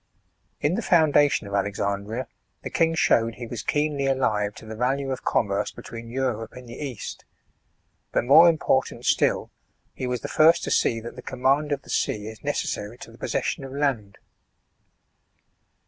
In the foundation of Alexandria the king showed he was keenly alive to the value of commerce be tween Europe arid the East ; but more important still, he was the first to see, that the command of the sea, is necessary to the possession of land.